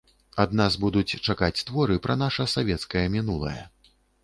Ад нас будуць чакаць творы пра наша савецкае мінулае.